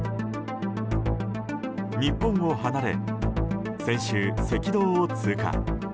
日本を離れ先週、赤道を通過。